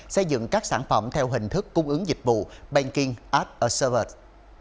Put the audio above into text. xây dựng các sản phẩm theo hình thức cung ứng dịch vụ banking as a service